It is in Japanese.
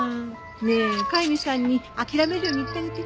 ねえ飼い主さんに諦めるように言ってあげて。